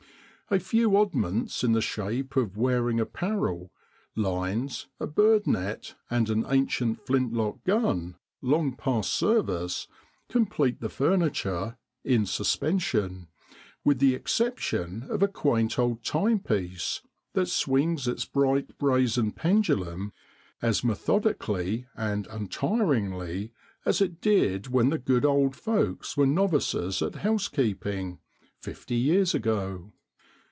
A few oddments in the shape of wearing apparel, lines, a bird net, and an ancient flint lock gun, long past service, complete the furniture ' in sus pension,' with the exception of a quaint old timepiece that swings its bright brazen pendulum as methodically and untiringly as it did when the good old folks were novices at housekeeping fifty years ago.